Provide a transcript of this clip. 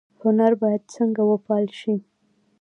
هنر باید څنګه وپال ل شي؟